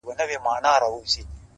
يو يې خوب يو يې خوراك يو يې آرام وو،